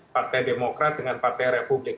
partai demokrat dengan partai republik